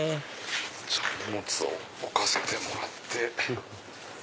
じゃあ荷物を置かせてもらって。